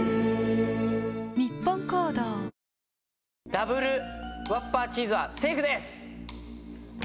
ダブルワッパーチーズはセーフです。